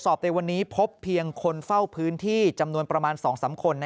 ในวันนี้พบเพียงคนเฝ้าพื้นที่จำนวนประมาณ๒๓คน